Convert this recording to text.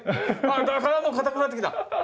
あぁもう硬くなってきた。